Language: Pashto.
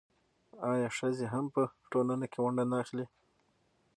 آیا ښځې هم په ټولنه کې ونډه نه اخلي؟